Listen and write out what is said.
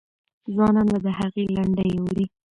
ځوانان به د هغې لنډۍ اوري.